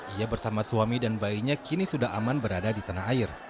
ia bersama suami dan bayinya kini sudah aman berada di tanah air